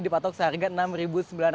dipatok seharga rp enam sembilan ratus